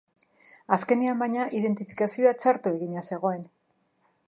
Azkenean, baina, idenfitikazioa txarto egina zegoen.